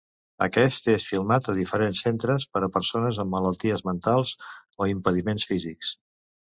Aquest és filmat a diferents centres per a persones amb malalties mentals o impediments físics.